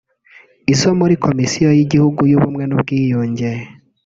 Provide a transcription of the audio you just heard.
izo muri Komisiyo y’Igihugu y’Ubumwe n’Ubwiyunge